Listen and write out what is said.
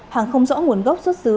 hàng không rõ nguồn gốc xuất xứ